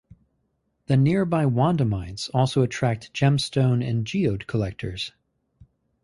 The nearby Wanda Mines also attract gemstone and geode collectors.